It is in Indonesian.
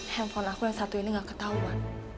handphone aku yang satu ini gak ketahuan